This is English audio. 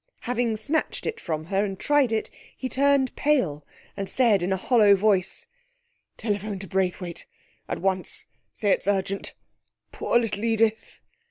Having snatched it from her and tried it, he turned pale and said in a hollow voice 'Telephone to Braithwaite. At once. Say it's urgent. Poor little Edith!'